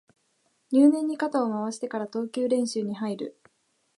入念に肩を回してから投球練習に入る